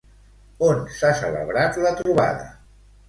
On s'ha celebrat la trobada?